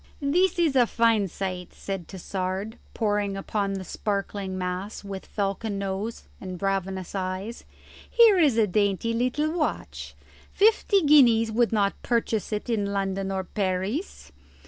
"This is a fine sight," said Tassard, poring upon the sparkling mass with falcon nose and ravenous eyes. "Here is a dainty little watch. Fifty guineas would not purchase it in London or Paris.